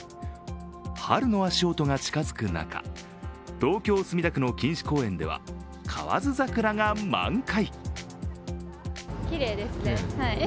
春の足音が近づく中、東京・墨田区の錦糸公園では河津桜が満開。